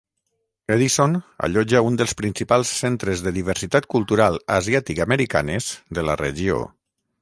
Edison allotja un dels principals centres de diversitat cultural asiàtic-americanes de la regió.